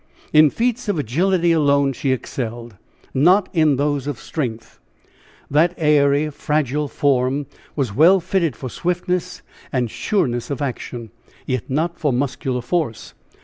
In feats of agility alone she excelled, not in those of strength that airy, fragile form was well fitted for swiftness and sureness of action, yet not for muscular force.